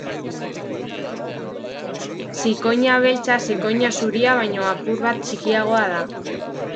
Zikoina beltza zikoina zuria baino apur bat txikiagoa da.